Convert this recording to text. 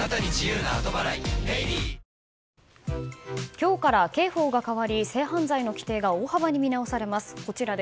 今日から刑法が変わり性犯罪の規定が大幅に見直されます。